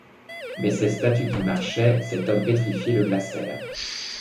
Mais cette statue qui marchait, cet homme pétrifié le glacèrent.